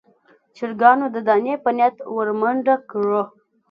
چرګانو د دانې په نيت ور منډه کړه.